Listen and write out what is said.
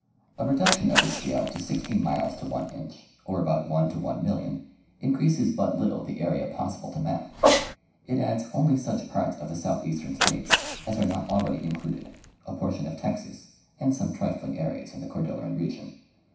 A reduction of the scale to 16 miles to one inch, or about 1 : 1,000,000, increases but little the area possible to majD. It adds only such parts of the southeastern states as are not already in cluded, a portion of Texas, and some trifling areas in the Cordil leran region.